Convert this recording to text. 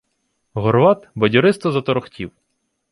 Горват бадьористо заторохтів: